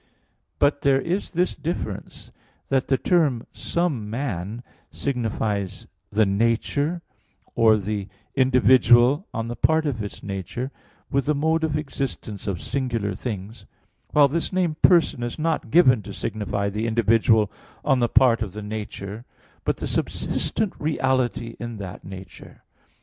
But there is this difference that the term "some man" signifies the nature, or the individual on the part of its nature, with the mode of existence of singular things; while this name "person" is not given to signify the individual on the part of the nature, but the subsistent reality in that nature.